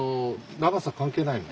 長さ関係ない。